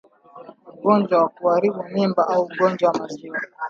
Ugonjwa wa kuharibu Mimba au Ugonjwa wa Maziwa